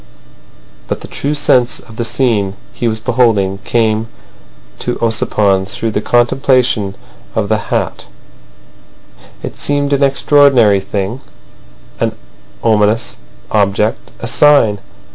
But the true sense of the scene he was beholding came to Ossipon through the contemplation of the hat. It seemed an extraordinary thing, an ominous object, a sign.